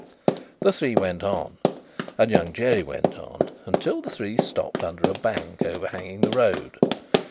The three went on, and Young Jerry went on, until the three stopped under a bank overhanging the road.